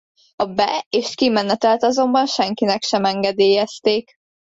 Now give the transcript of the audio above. A be- és kimenetelt azonban senkinek sem engedélyezték.